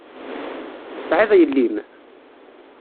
Tesεiḍ yelli-m?